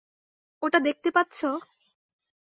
ওটা দেখতে পাচ্ছো?